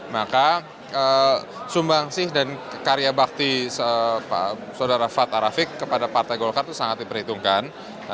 maka sumbangsih dan karya bakti saudara fat arafik kepada partai golkar itu sangat diperhitungkan